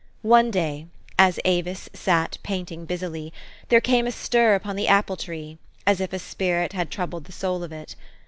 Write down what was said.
One day, as Avis sat painting busity, there came a stir upon the apple tree, as if a spirit had troubled the soul of it.